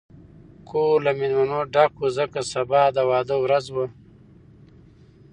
کور له مېلمنو ډک و، ځکه سبا د واده ورځ وه.